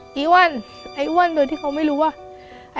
อ้วนไอ้อ้วนโดยที่เขาไม่รู้ว่า